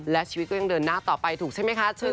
และชีวิตก็ยังเดินหน้าต่อไปถูกใช่ไหมคะ